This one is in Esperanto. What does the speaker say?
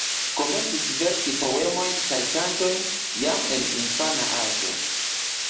Komencis verki poemojn kaj kantojn jam en infana aĝo.